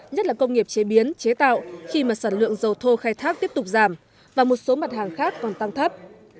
nhất là công nghiệp chế biến chế tạo khi mà sản lượng dầu thô khai thác tiếp tục giảm và một số mặt hàng khác còn tăng thấp